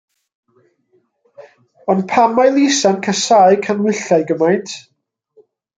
Ond pam mae Lisa'n casáu canhwyllau gymaint?